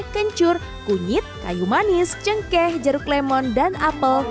kencur kunyit kayu manis cengkeh jeruk lemon dan apel